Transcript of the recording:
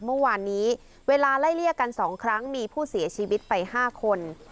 เมื่อวานนี้เวลาไล่เลี่ยกัน๒ครั้งมีผู้เสียชีวิตไป๕คน